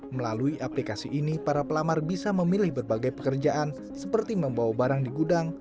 melalui aplikasi ini para pelamar bisa memilih berbagai pekerjaan seperti membawa barang di gudang